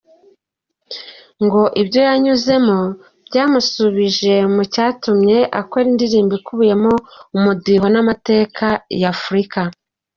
Ngo ibyo yanyuzemo byamusubije mu cyatumye akora indirimbo ikubiyemo umudiho n’amateka ya Afurika.